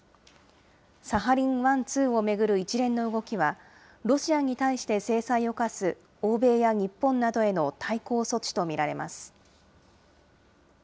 サハリン１、２を巡る一連の動きは、ロシアに対して制裁を科す欧米や日本などへの対抗措置と見られます。